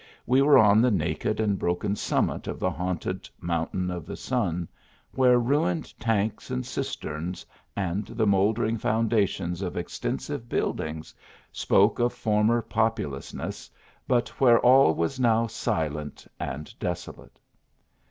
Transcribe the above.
We were on the naked and broken summit of the haunted Mountain of the Sun, where ruined tanks and cisterns, and the mouldering foun dations of extensive buildings, spoke of former popu lousness, but where all was now silent and desolate.